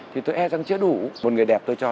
thì tôi e rằng chưa đủ một người đẹp tôi cho